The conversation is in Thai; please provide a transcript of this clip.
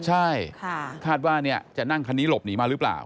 ใช่คาดว่าจะนั่งคันนี้หลบหนีมาหรือเปล่า